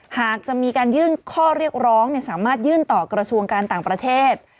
หากจะมีการยื่นข้อเรียกร้องสามารถยื่นต่อกระทรวงการต่างประเทศ